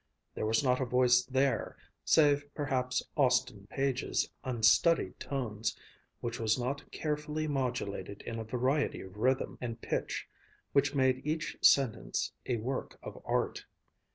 There was not a voice there, save perhaps Austin Page's unstudied tones, which was not carefully modulated in a variety of rhythm and pitch which made each sentence a work of art.